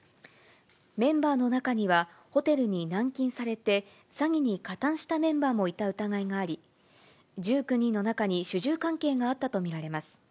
メンバーの中には、ホテルに軟禁されて、詐欺に加担したメンバーもいた疑いがあり、１９人の中に主従関係があったと見られます。